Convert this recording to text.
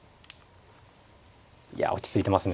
いや落ち着いてますね。